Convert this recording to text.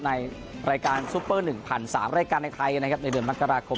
ในรายการซุปเปอร์หนึ่งพันสามรายการในไทยนะครับในเดือนมักราคม